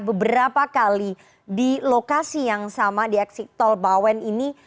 beberapa kali di lokasi yang sama di eksik tol bawen ini